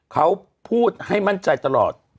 เขาพูดให้มั่นใจตลอด